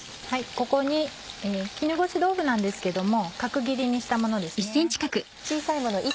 ここに絹ごし豆腐なんですけども角切りにしたものですね。